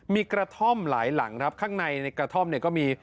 มีกระท่อมหลายหลังครับข้างในในกระท่อมเนี่ยก็มี